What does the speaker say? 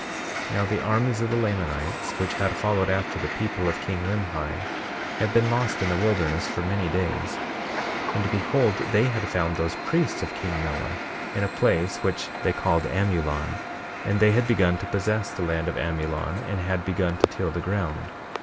23:30 Now the armies of the Lamanites, which had followed after the people of king Limhi, had been lost in the wilderness for many days. 23:31 And behold, they had found those priests of king Noah, in a place which they called Amulon; and they had begun to possess the land of Amulon and had begun to till the ground.